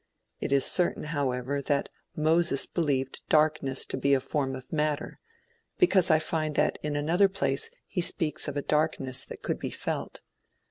It is certain, however, that Moses believed darkness to be a form of matter, because I find that in another place he speaks of a darkness that could be felt.